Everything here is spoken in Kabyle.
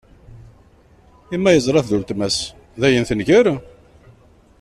I ma yeẓra-t d uletma-s, dayen tenger?